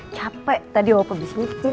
capek tadi opa disini